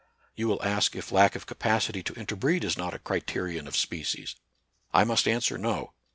You will ask if lack of capacity to interbreed is not a criterion of species. I must answer. No.